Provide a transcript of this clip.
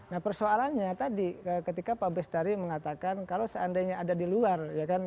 nah persoalannya tadi ketika pak bestari mengatakan kalau seandainya ada di luar ya kan